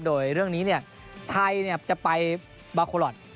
โดยเรื่องนี้เนี่ยไทยเนี่ยจะไปบาควรอต